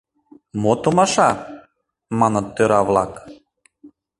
— Мо томаша? — маныт тӧра-влак.